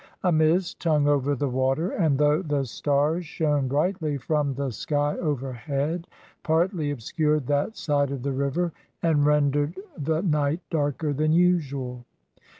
A mist hung over the water, and, though the stars shone brightly from the sky overhead, partly obscured that side of the river, and rendered the night darker than usual.